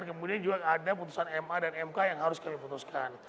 kemudian juga ada putusan ma dan mk yang harus kami putuskan